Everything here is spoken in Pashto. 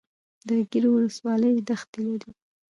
د ګیرو ولسوالۍ دښتې لري